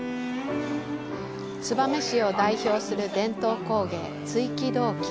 燕市を代表する伝統工芸、鎚起銅器。